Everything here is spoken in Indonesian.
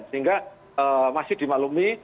sehingga masih dimaklumi